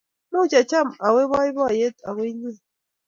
Muuch acham awe boiboiyet ago inye